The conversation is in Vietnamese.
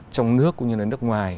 trong nước cũng như là nước ngoài